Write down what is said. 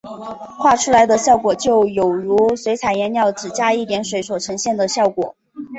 画出来的效果就有如水彩颜料只加一点水所呈现的效果。